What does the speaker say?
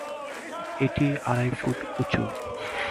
এটি আড়াই ফুট উচু।